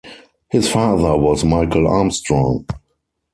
His father was Michael Armstrong.